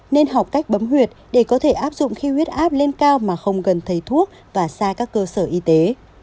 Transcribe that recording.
nên học cách bấm huyệt để có thể áp dụng khi huyết áp lên cao mà không cần thấy thuốc và xa các cơ sở y tế